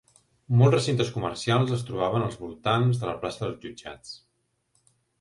Molts recintes comercials es trobaven als voltants de la plaça dels jutjats.